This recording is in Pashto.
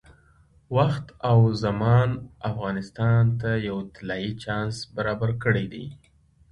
وخت او زمان افغانستان ته یو طلایي چانس برابر کړی دی.